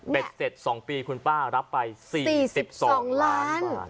เป็นเสร็จ๒ปีคุณป้ารับไป๔๒ล้าน